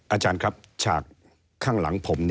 อาจารย์ครับฉากข้างหลังผม